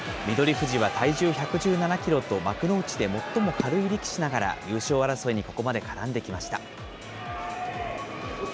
富士は体重１１７キロと幕内で最も軽い力士ながら、優勝争いにここまで絡んできました。